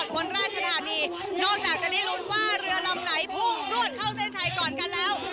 วันนี้รุนว่าเรือลำไหนพุ่งรวดเข้าเส้นไทยก่อนกันแล้ว